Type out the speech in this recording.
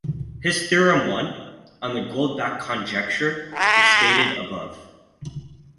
His Theorem I, on the Goldbach conjecture, was stated above.